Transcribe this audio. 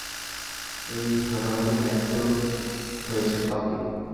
এই ভাগাভাগি নায্য হয়েছে, পাপি।